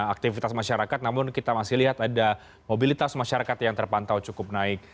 aktivitas masyarakat namun kita masih lihat ada mobilitas masyarakat yang terpantau cukup naik